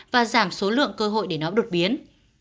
và giảm số lượng cơ hội để nó đột biến